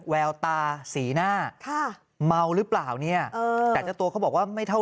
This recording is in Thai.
แววตาสีหน้าเมาหรือเปล่าเนี่ยแต่เจ้าตัวเขาบอกว่าไม่เท่า